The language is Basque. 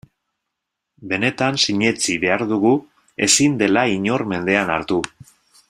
Benetan sinetsi behar dugu ezin dela inor mendean hartu.